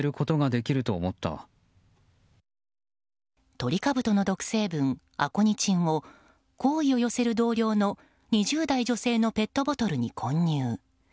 トリカブトの毒成分アコニチンを好意を寄せる同僚の２０代女性のペットボトルに混入。